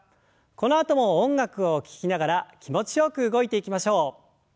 このあとも音楽を聞きながら気持ちよく動いていきましょう。